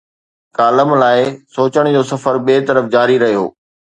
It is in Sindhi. ڪالم لاءِ، سوچن جو سفر ٻئي طرف جاري رهيو.